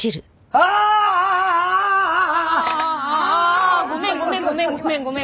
ああごめんごめんごめんごめんごめん。